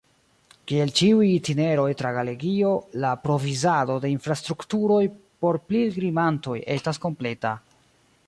Kiel ĉiuj itineroj tra Galegio, la provizado de infrastrukturoj por pilgrimantoj estas kompleta.